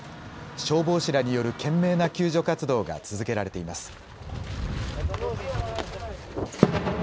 消防士らによる懸命な救助活動が続けられています。